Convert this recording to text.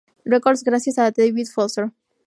Records gracias a David Foster.